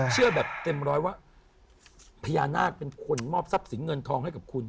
เชื่อแบบเต็มร้อยว่าพญานาคเป็นคนมอบทรัพย์สินเงินทองให้กับคุณ